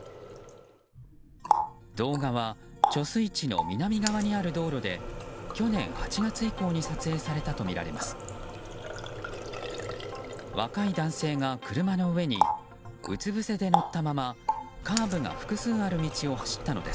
動画は貯水池の南側にある道路で去年８月以降に撮影されたとみられます。